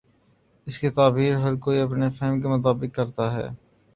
اس کی تعبیر ہر کوئی اپنے فہم کے مطابق کر تا ہے۔